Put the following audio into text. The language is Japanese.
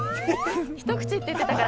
ひと口って言ってたから。